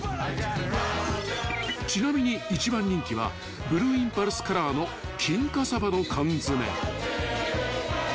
［ちなみに一番人気はブルーインパルスカラーの金華さばの缶詰］